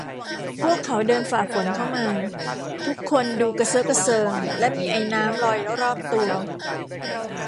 พวกเขาเดินฝ่าฝนเข้ามา ทุกคนดูกระเซอะกระเซิงและมีไอน้ำลอยรอบตัว